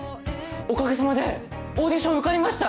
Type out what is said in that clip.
おかげさまでオーディション受かりました！